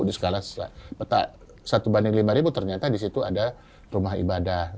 di skala satu banding lima ternyata di situ ada rumah ibadah